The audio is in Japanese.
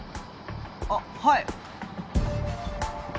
あっはい。